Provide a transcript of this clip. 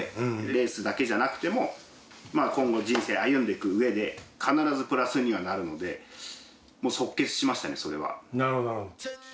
レースだけじゃなくても、まあ、今後、人生歩んでいくうえで、必ずプラスにはなるので、もう即決しましなるほど、なるほど。